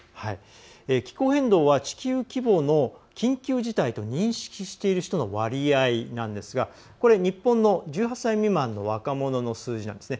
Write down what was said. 気候変動は地球規模の緊急事態と認識している人の割合なんですが、これは日本の１８歳未満の若者の数字なんです。